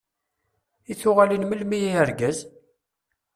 I tuɣalin melmi ay argaz?